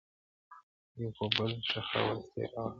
يو په بل يې ښخول تېره غاښونه-